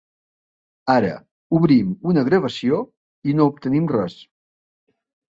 Ara, obrim una gravació i no obtenim res.